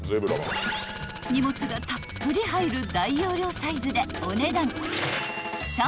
［荷物がたっぷり入る大容量サイズでお値段］